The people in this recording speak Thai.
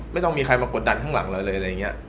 ไม่ต้องมีใครมากดดันข้างหลังเราเลยอะไรอย่างนี้